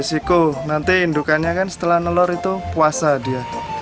risiko nanti indukannya kan setelah nelur itu puasa dia